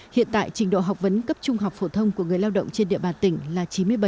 hiện tại trình độ học vấn cấp trung học phổ thông của người lao động trên địa bàn tỉnh là chín mươi bảy